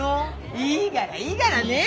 いいがらいいがらねえ。